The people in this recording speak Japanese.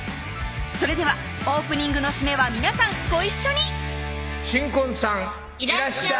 それではオープニングの締めは皆さんご一緒に新婚さんいらっしゃい